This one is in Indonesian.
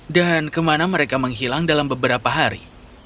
dan kemana mereka menghilang dalam beberapa hari